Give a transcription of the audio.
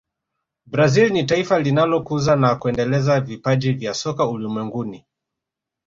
brazil ni taifa linalokuza na kuendeleza vipaji vya soka ulimwenguni